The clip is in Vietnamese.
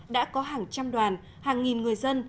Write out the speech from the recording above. đã có hàng trăm đoàn hàng nghìn người dân